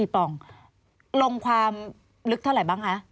ปองลงความลึกเท่าไหร่บ้างคะ